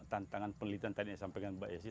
tantangan penelitian tadi yang sampaikan mbak desi